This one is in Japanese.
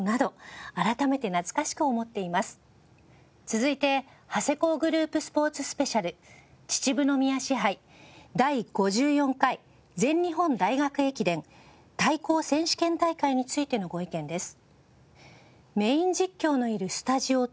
続いて『長谷工グループスポーツスペシャル秩父宮賜杯第５４回全日本大学駅伝対校選手権大会』についてのご意見です。